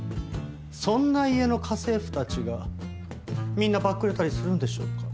そんな家の家政婦たちがみんなバックレたりするんでしょうか？